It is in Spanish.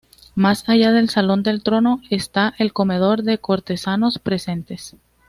Más allá del Salón del Trono está el Comedor de cortesanos presentes.